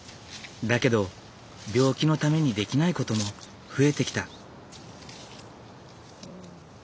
だけど病気のためにできないことも増えてきた。